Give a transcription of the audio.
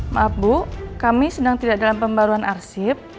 maaf bu kami sedang tidak dalam pembaruan arsip